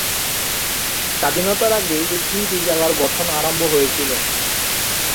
স্বাধীনতার আগেই এই তিনটি জেলার গঠন আরম্ভ হয়েছিল।